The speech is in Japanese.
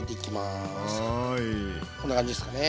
こんな感じですかね。